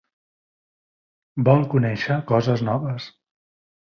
Vol conèixer coses noves.